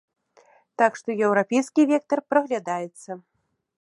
Так што еўрапейскі вектар праглядаецца.